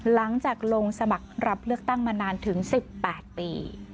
หลังจากลงสมัครรับเลือกตั้งมานานถึง๑๘ปี